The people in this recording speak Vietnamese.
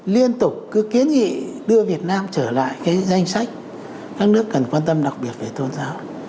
liên tục cứ kiến nghị đưa việt nam trở lại cái danh sách các nước cần quan tâm đặc biệt về tôn giáo